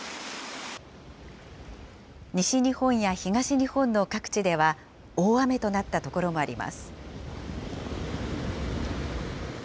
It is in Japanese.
西日本や東日本の各地では、大雨となった所もあります。